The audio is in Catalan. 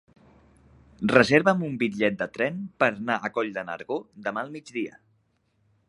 Reserva'm un bitllet de tren per anar a Coll de Nargó demà al migdia.